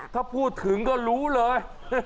ถ้าพูดถึงก็รู้เลย